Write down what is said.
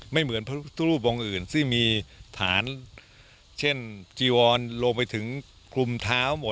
ไม่เหมือนพระพุทธุรูปองค์อื่นซึ่งมีผันเจวรลงไปถึงผลุมเท้า